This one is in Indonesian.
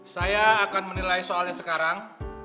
saya akan menilai soalnya sekarang